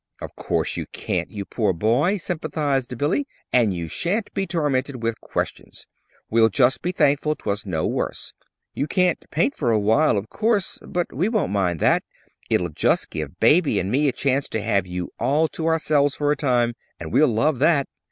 "Of course you can't, you poor boy," sympathized Billy; "and you sha'n't be tormented with questions. We'll just be thankful 'twas no worse. You can't paint for a while, of course; but we won't mind that. It'll just give Baby and me a chance to have you all to ourselves for a time, and we'll love that!'